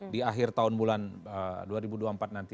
di akhir tahun bulan dua ribu dua puluh empat nanti